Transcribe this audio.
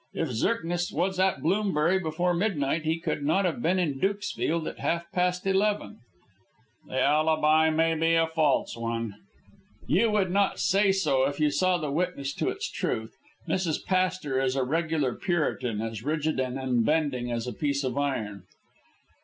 "If Zirknitz was at Bloomsbury before midnight, he could not have been in Dukesfield at half past eleven." "The alibi may be a false one." "You would not say so if you saw the witness to its truth. Mrs. Pastor is a regular Puritan, as rigid and unbending as a piece of iron."